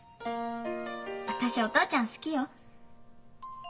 私お父ちゃん好きよ。